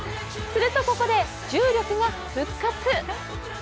するとここで重力が復活。